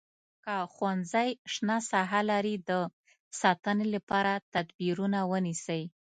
که ښوونځی شنه ساحه لري د ساتنې لپاره تدبیرونه ونیسئ.